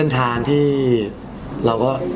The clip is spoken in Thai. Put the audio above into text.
ทางที่เราก็